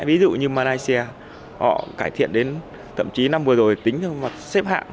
ví dụ như malaysia họ cải thiện đến thậm chí năm vừa rồi tính theo mặt xếp hạng